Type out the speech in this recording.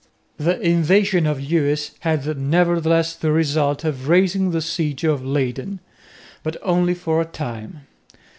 The invasion of Lewis had nevertheless the result of raising the siege of Leyden; but only for a time.